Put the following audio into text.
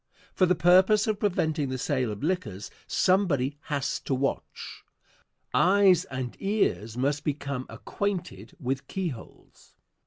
For the purpose of preventing the sale of liquors somebody has to watch. Eyes and ears must become acquainted with keyholes.